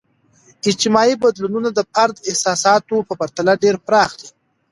اجتماعي بدلونونه د فرد احساساتو په پرتله ډیر پراخ دي.